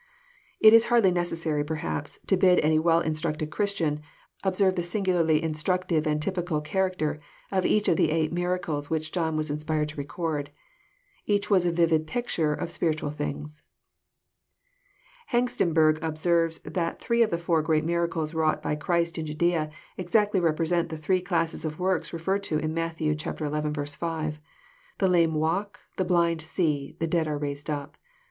It Is hardly necessary, perhaps, to bid any well instructed Christian observe the singularly Instructive and typical char acter of each of the eight miracles which John was inspired to record. Each was a vivid picture of spiritual things. Hengstenberg observes that three of the four great miracles wrought by Christ in Judcea exactly represent the three classes of works referred to in Matt. xi. 6, " The lame walk, the blind see, the dead are raised up."